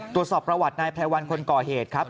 ตรวจสอบประวัตินายไพรวันคนก่อเหตุครับ